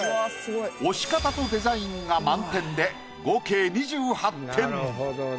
押し方とデザインが満点で合計２８点。